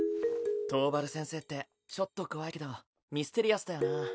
桃原先生ってちょっと怖いけどミステリアスだよな。